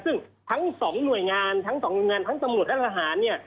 ซึ่งทั้งสองหน่วยงานทั้งสองหน่วยงานทั้งตำรวจและทหารเนี่ย